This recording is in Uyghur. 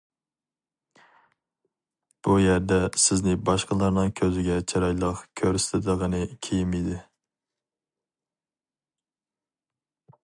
بۇ يەردە سىزنى باشقىلارنىڭ كۆزىگە چىرايلىق كۆرسىتىدىغىنى كىيىم ئىدى.